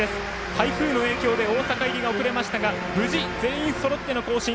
台風の影響で大阪入りが遅れましたが無事全員そろっての行進。